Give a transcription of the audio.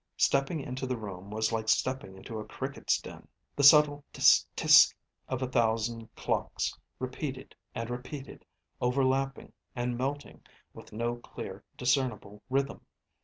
Stepping into the room was like stepping into a cricket's den, the subtle tsk tsk of a thousand clocks repeated and repeated, overlapping and melting, with no clear, discernible rhythm.